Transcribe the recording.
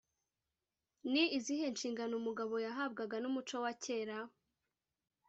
ni izihe nshingano umugabo yahabwaga n’umuco wa kera?